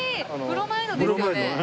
プロマイドですよね。